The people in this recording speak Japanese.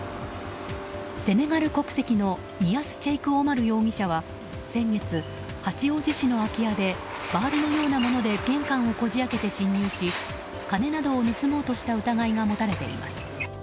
セネガル国籍のニアス・チェイク・オマル容疑者は先月、八王子市の空き家でバールのようなもので玄関をこじ開けて侵入し金などを盗もうとした疑いが持たれています。